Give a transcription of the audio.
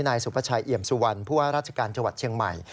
นายสุภาชัยเอี่ยมสุวรรณผู้ว่าราชการจังหวัดเชียงใหม่